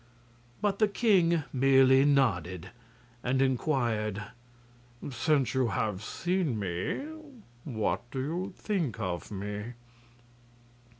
But the king merely nodded and inquired: "Since you have seen me, what do you think of me?"